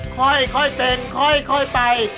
ค่อยเป็นค่อยไป